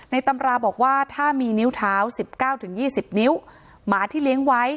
ในตำราบอกว่าถ้ามีนิ้วเท้าสิบเก้าถึงยี่สิบนิ้วหมาที่เลี้ยงไว้